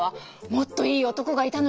もっといい男がいたのよ。